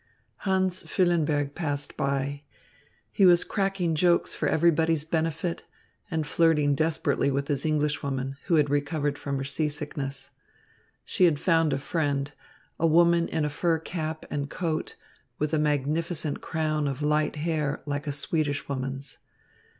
Hans Füllenberg passed by. He was cracking jokes for everybody's benefit and flirting desperately with his Englishwoman, who had recovered from her seasickness. She had found a friend, a woman in a fur cap and coat, with a magnificent crown of light hair, like a Swedish woman's.